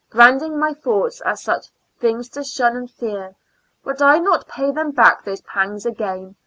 Branding my thoughts, as things to shun and fear ? Would I not pay them back those pangs again.